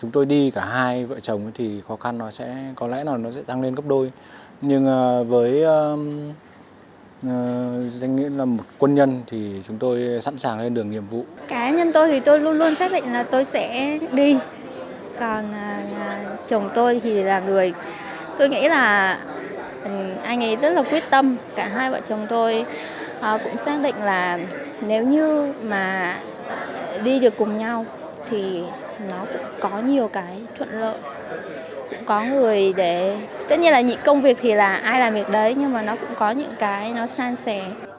tôi nghĩ là anh ấy rất là quyết tâm cả hai vợ chồng tôi cũng xác định là nếu như mà đi được cùng nhau thì nó cũng có nhiều cái thuận lợi có người để tất nhiên là những công việc thì là ai làm việc đấy nhưng mà nó cũng có những cái nó san sẻ